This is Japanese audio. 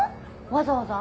わざわざ？